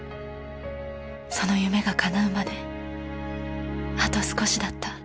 その夢がかなうまであと少しだった。